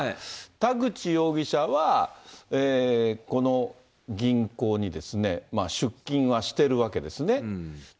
田口容疑者はこの銀行に出金はしてるわけですね。